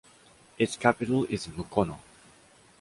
Its capital is Mukono.